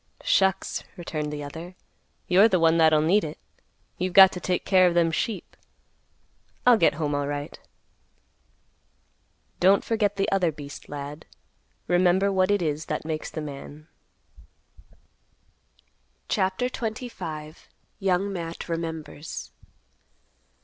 "Shucks!" returned the other; "you're the one that'll need it. You've got to take care of them sheep. I'll get home alright." "Don't forget the other beast, lad. Remember what it is that makes the man." CHAPTER XXV. YOUNG MATT REMEMBERS.